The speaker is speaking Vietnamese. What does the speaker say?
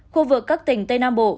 khu vực các tỉnh tây nam bộ